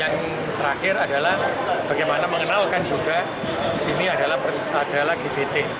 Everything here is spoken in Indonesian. yang terakhir adalah bagaimana mengenalkan juga ini adalah gbt